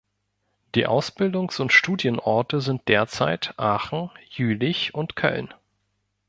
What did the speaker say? Die Ausbildungs- und Studienorte sind derzeit Aachen, Jülich und Köln.